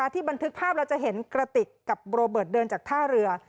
บันทึกภาพเราจะเห็นกระติกกับโรเบิร์ตเดินจากท่าเรือ